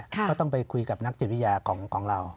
ก็ต้องไปคุยกับนักจิตวิทยาของเรา